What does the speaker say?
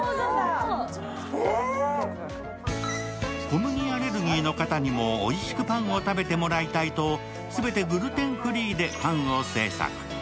小麦アレルギーの方にもおいしくパンを食べてもらいたいと、全てグルテンフリーでパンを製作。